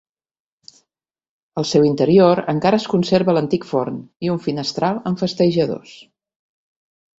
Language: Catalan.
Al seu interior encara es conserva l'antic forn i un finestral amb festejadors.